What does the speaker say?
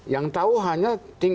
yang tahu hanya